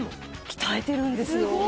鍛えてるんですよ。